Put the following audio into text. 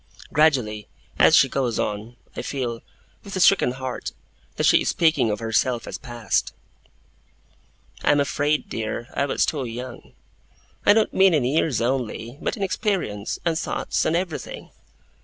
Gradually, as she goes on, I feel, with a stricken heart, that she is speaking of herself as past. 'I am afraid, dear, I was too young. I don't mean in years only, but in experience, and thoughts, and everything.